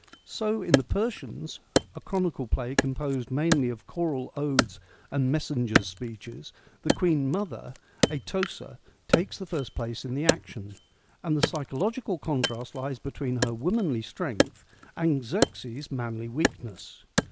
So in the Persians, a chronicle play composed mainly of choral odes and messengers' speeches, the queen mother, Atossa, takes the first place in the action, and the psychological contrast lies between her womanly strength and Xerxes' manly weakness.